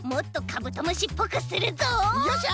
よっしゃ！